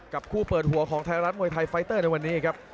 คู่เปิดหัวของไทยรัฐมวยไทยไฟเตอร์ในวันนี้ครับ